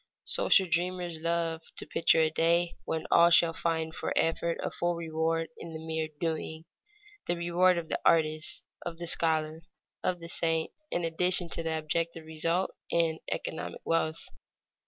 Social dreamers love to picture a day when all shall find for effort a full reward in the mere doing, the reward of the artist, of the scholar, of the saint, in addition to the objective result in economic wealth.